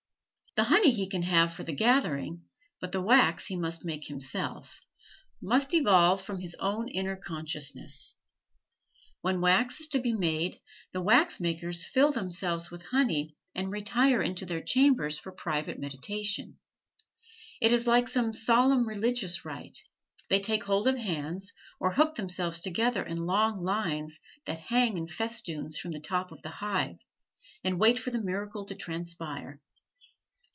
The honey he can have for the gathering, but the wax he must make himself must evolve from his own inner consciousness. When wax is to be made the wax makers fill themselves with honey and retire into their chamber for private meditation; it is like some solemn religious rite; they take hold of hands, or hook themselves together in long lines that hang in festoons from the top of the hive, and wait for the miracle to transpire.